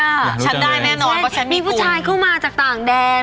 ฉันได้แน่นอนเพราะฉันมีผู้ชายเข้ามาจากต่างแดน